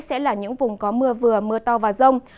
sẽ là những vùng có mưa vừa mưa to và rông